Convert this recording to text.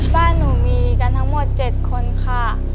บ้านหนูมีกันทั้งหมด๗คนค่ะ